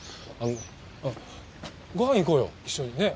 あのあっご飯行こうよ一緒に。